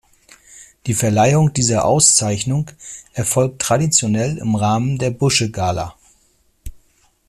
Die Verleihung dieser Auszeichnung erfolgt traditionell im Rahmen der „Busche Gala“.